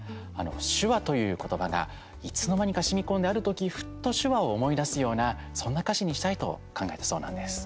手話という言葉がいつの間にか、しみこんである時ふと手話を思い出すようなそんな歌詞にしたいと考えたそうなんです。